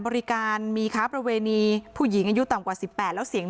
บริการมีค้าประเวณีผู้หญิงอายุต่ำกว่า๑๘แล้วเสียง